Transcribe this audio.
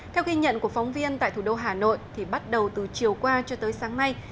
theo ghi nhận của phóng viên tại thủ đô hà nội thì bắt đầu từ chiều qua cho tới sáng nay